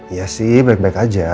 ya sih baik baik aja